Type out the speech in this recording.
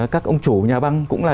các ông chủ nhà băng cũng là